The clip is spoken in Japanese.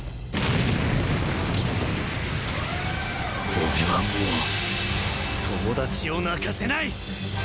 俺はもう友達を泣かせない！